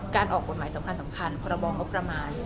การออกกฎหมายสำคัญพรบองงบประมาณ